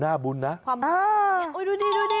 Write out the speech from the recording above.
น่าบุญนะดูดิ